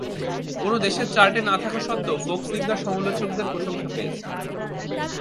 কোন দেশের চার্টে না থাকা সত্ত্বেও, "ফোক সিঙ্গার" সমালোচকদের প্রশংসা পেয়েছে।